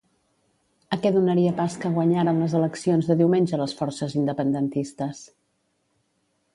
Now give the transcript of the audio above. A què donaria pas que guanyaren les eleccions de diumenge les forces independentistes?